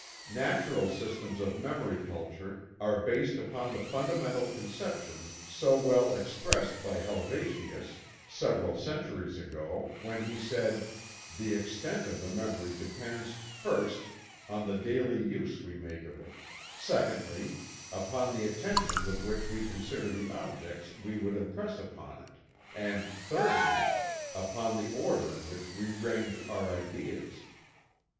Natural systems of memory culture are based upon the fundamental conception so well expressed by Helvetius, several centuries ago, when he said: "The extent of the memory depends, first, on the daily use we make of it; secondly, upon the attention with which we consider the objects we would impress upon it; and, thirdly, upon the order in which we range our ideas."